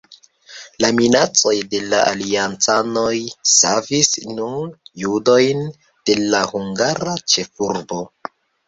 La minacoj de la aliancanoj savis nur judojn de la hungara ĉefurbo.